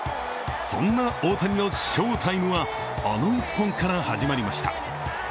そんな大谷の翔タイムはあの一本から始まりました。